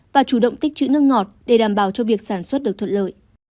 và chủ động tích chữ nước ngọt để đảm bảo cho việc sản xuất được thuận lợi